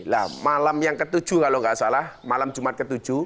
lah malam yang ke tujuh kalau gak salah malam jumat ke tujuh